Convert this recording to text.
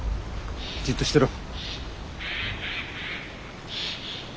じっとしてろ。